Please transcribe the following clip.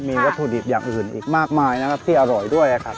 มีวัตถุดิบอย่างอื่นอีกมากมายนะครับที่อร่อยด้วยครับ